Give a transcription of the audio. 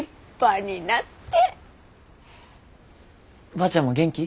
ばあちゃんも元気？